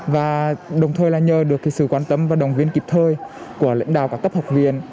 và đồng thời là nhờ được sự quan tâm và đồng viên kịp thời của lãnh đạo các cấp học viên